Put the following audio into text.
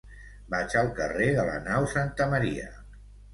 Vaig al carrer de la Nau Santa Maria.